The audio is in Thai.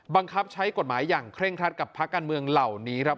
บังคับใช้กฎหมายอย่างเคร่งครัดกับภาคการเมืองเหล่านี้ครับ